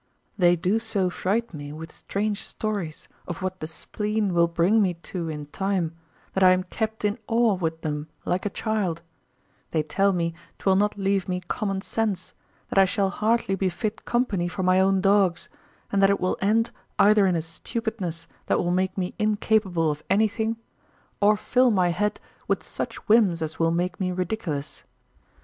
They do so fright me with strange stories of what the spleen will bring me to in time, that I am kept in awe with them like a child; they tell me 'twill not leave me common sense, that I shall hardly be fit company for my own dogs, and that it will end either in a stupidness that will make me incapable of anything, or fill my head with such whims as will make me ridiculous.